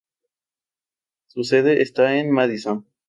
Su sede está en Madison.